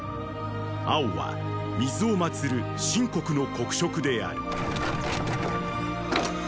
「青」は水を祭る秦国の“国色”である。